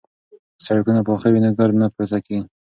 که سړکونه پاخه وي نو ګرد نه پورته کیږي.